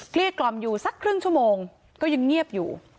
เรียกกล่อมอยู่สักครึ่งชั่วโมงก็ยังเงียบอยู่